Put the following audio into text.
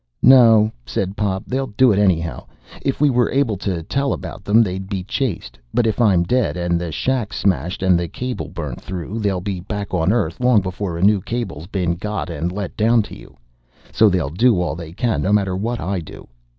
"No," said Pop, "they'll do it anyhow. If we were able to tell about 'em, they'd be chased. But if I'm dead and the shacks smashed and the cable burnt through, they'll be back on Earth long before a new cable's been got and let down to you. So they'll do all they can no matter what I do."